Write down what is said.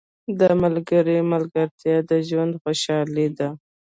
• د ملګري ملګرتیا د ژوند خوشحالي ده.